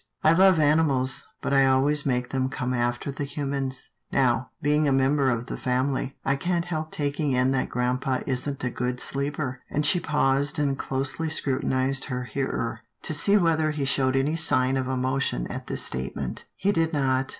I love animals, but I always make them come after the humans — Now, being a member of the family, I can't help taking in that grampa isn't a good sleeper," and she paused and closely scrutinized her hearer, to see whether he showed any sign of emotion at this statement. He did not.